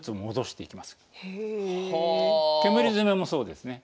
煙詰もそうですね。